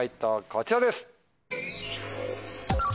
こちらです！